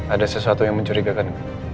ada sesuatu yang mencurigakan